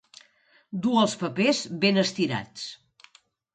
Dur els papers ben estirats.